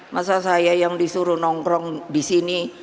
masa saya yang disuruh nongkrong di sini